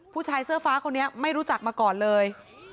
ผู้ชายเสื้อฟ้าคนนี้ไม่รู้จักมาก่อนเลย